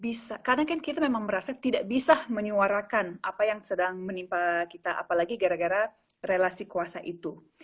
bisa karena kan kita memang merasa tidak bisa menyuarakan apa yang sedang menimpa kita apalagi gara gara relasi kuasa itu